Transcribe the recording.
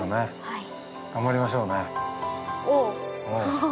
はい。